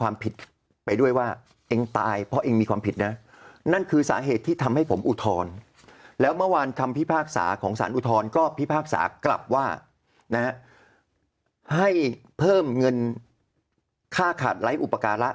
ไม่มีความผิดนะนั่นคือสาเหตุที่ทำให้ผมอุทรแล้วเมื่อวานคำพิพากษาของสารอุทรก็พิพากษากลับว่านะให้เพิ่มเงินค่าขาดไร้อุปการะ